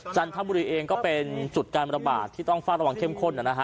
จันทบุรีเองก็เป็นจุดการระบาดที่ต้องเฝ้าระวังเข้มข้นนะฮะ